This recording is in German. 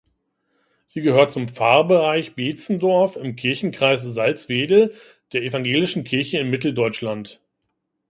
Sie gehört zum Pfarrbereich Beetzendorf im Kirchenkreis Salzwedel der Evangelischen Kirche in Mitteldeutschland.